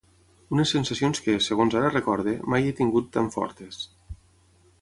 Unes sensacions que, segons ara recorde, mai he tingut tan fortes.